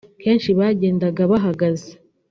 kenshi bagendaga bahagaze